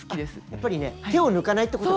やっぱりね手を抜かないってことが。